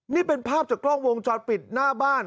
นี่เป็นภาพจากกล้องวงจรปิดหน้าบ้าน